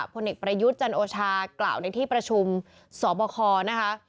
ผลเอกประยุทธ์จันโอชากล่าวในที่ประชุมสบคนะคะ